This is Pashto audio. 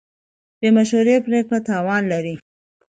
بې مشورې پرېکړه تاوان لري.